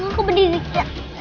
aku berdiri kak